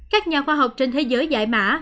các nhà khoa học trên thế giới giải mã